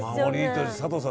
佐藤さん